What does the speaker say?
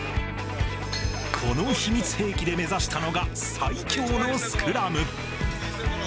この秘密兵器で目指したのが最強のスクラム。